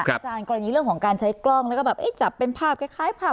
อาจารย์กรณีเรื่องของการใช้กล้องแล้วก็แบบจับเป็นภาพคล้ายภาพ